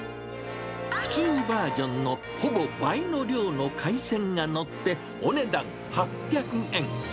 普通バージョンのほぼ倍の量の海鮮が載って、お値段８００円。